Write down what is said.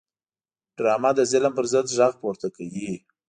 ډرامه د ظلم پر ضد غږ پورته کوي